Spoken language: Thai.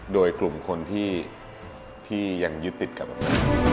โดยกลุ่มคนที่ยังยึดติดกับแบบนั้น